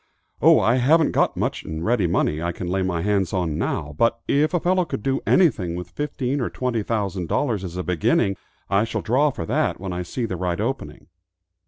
"Oh, I haven't got much in ready money I can lay my hands on now, but if a fellow could do anything with fifteen or twenty thousand dollars, as a beginning, I shall draw for that when I see the right opening."